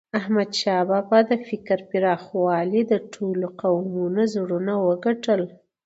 احمدشاه بابا د فکر پراخوالي د ټولو قومونو زړونه وګټل.